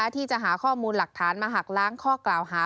ที่จะหาข้อมูลหลักฐานมาหักล้างข้อกล่าวหา